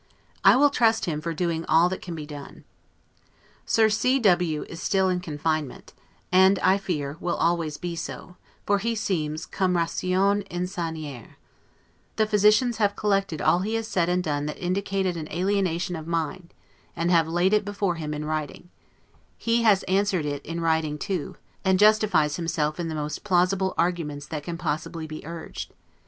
I will trust him for doing all that can be done. Sir C. W. is still in confinement, and, I fear, will always be so, for he seems 'cum ratione insanire'; the physicians have collected all he has said and done that indicated an alienation of mind, and have laid it before him in writing; he has answered it in writing too, and justifies himself in the most plausible arguments than can possibly be urged.